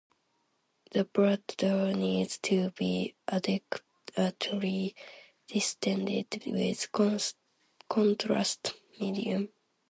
The bladder needs to be adequately distended with contrast medium.